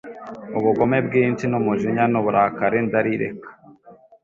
ubugome bwinshi n’umujinya n’uburakari ndarireka